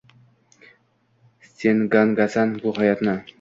Sen Gangasan, bu hayotni